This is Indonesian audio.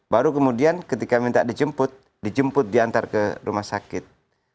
baru kemudian ketika minta dijemput dijemput diantar ke rumah sakit